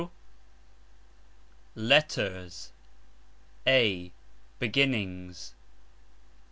LETTERS. (a). Beginnings.